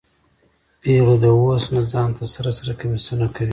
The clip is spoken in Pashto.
پیغلې د اوس نه ځان ته سره سره کمیسونه کوي